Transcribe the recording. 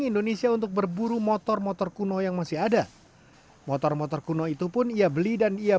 indonesia untuk berburu motor motor kuno yang masih ada motor motor kuno itu pun ia beli dan ia